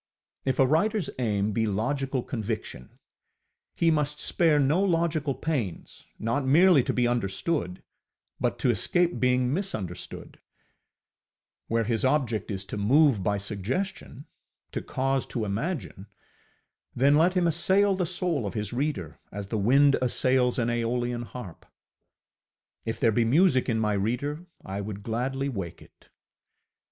If a writerŌĆÖs aim be logical conviction, he must spare no logical pains, not merely to be understood, but to escape being misunderstood; where his object is to move by suggestion, to cause to imagine, then let him assail the soul of his reader as the wind assails an aeolian harp. If there be music in my reader, I would gladly wake it.